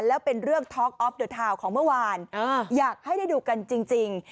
แล้วเป็นเรื่องท็อกออฟเดอร์ทาวน์ของเมื่อวานอยากให้ได้ดูกันจริง